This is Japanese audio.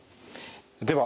では